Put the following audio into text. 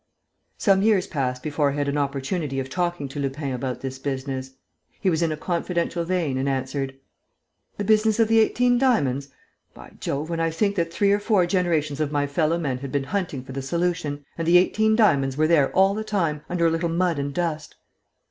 Some years passed before I had an opportunity of talking to Lupin about this business. He was in a confidential vein and answered: "The business of the eighteen diamonds? By Jove, when I think that three or four generations of my fellow men had been hunting for the solution! And the eighteen diamonds were there all the time, under a little mud and dust!"